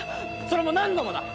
それも何度もだ。